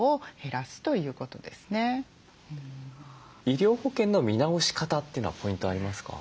医療保険の見直し方というのはポイントありますか？